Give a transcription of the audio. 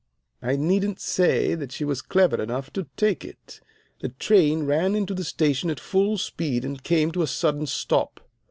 "I needn't say that she was clever enough to take it. The train ran into the station at full speed and came to a sudden stop.